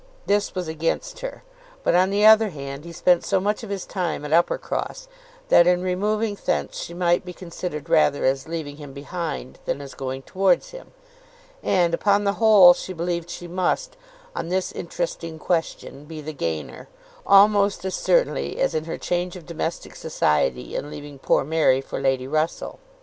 This was against her; but on the other hand, he spent so much of his time at Uppercross, that in removing thence she might be considered rather as leaving him behind, than as going towards him; and, upon the whole, she believed she must, on this interesting question, be the gainer, almost as certainly as in her change of domestic society, in leaving poor Mary for Lady Russell.